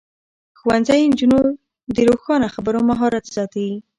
ښوونځی نجونې د روښانه خبرو مهارت ساتي.